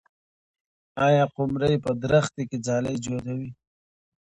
آیا قمري په ونې کې ځالۍ جوړوي؟